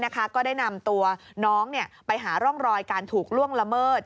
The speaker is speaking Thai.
ก็ได้นำตัวน้องไปหาร่องรอยการถูกล่วงละเมิด